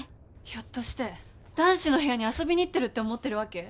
ひょっとして男子の部屋に遊びに行ってるって思ってるわけ？